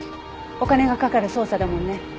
お金がかかる捜査だもんね。